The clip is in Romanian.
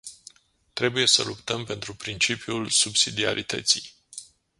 Trebuie să luptăm pentru principiul subsidiarității.